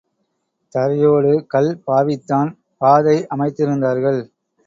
தரையோடு கல் பாவித்தான் பாதை அமைத்திருந்தார்கள்.